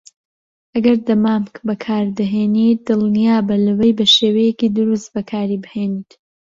ئەگەر دەمامک بەکاردەهێنیت، دڵنیابە لەوەی بەشێوەیەکی دروست بەکاریبهێنیت.